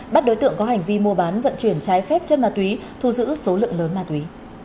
bắt đối tượng có hành vi mua bán vận chuyển trái phép chất ma túy thu giữ số lượng lớn ma túy